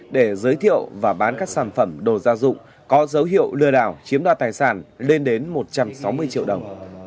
để giới thiệu và bán các sản phẩm đồ gia dụng có dấu hiệu lừa đảo chiếm đoạt tài sản lên đến một trăm sáu mươi triệu đồng